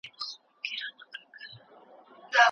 د پوهنتون د استادانو تقاعد ته پاملرنه نه کيده.